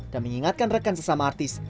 dan mengingatkan rekan sesama artis